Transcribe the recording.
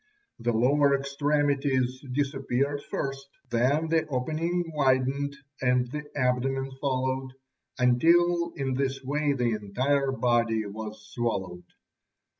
The lower extremities disappeared first, then the opening widened, and the abdomen followed, until in this way the entire body was swallowed.